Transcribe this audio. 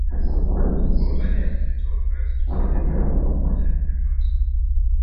kugombania fito wakati tunajenga nyumba moja Nimepata